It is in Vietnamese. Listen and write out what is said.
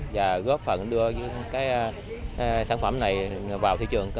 và góp phần đưa sản phẩm này vào thị trường